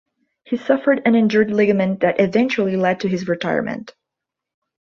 He suffered an injured ligament that eventually led to his retirement.